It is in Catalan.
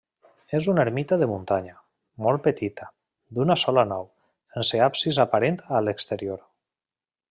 És una ermita de muntanya, molt petita, d'una sola nau, sense absis aparent a l'exterior.